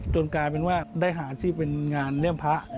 จนกลายเป็นว่าได้หาอาชีพเป็นงานพระ